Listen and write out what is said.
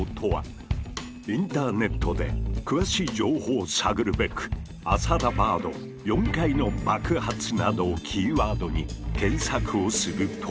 インターネットで詳しい情報を探るべく「アサダバード」「４回の爆発」などをキーワードに検索をすると。